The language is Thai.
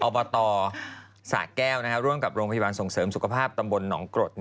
อบตสะแก้วร่วมกับโรงพยาบาลส่งเสริมสุขภาพตำบลหนองกรด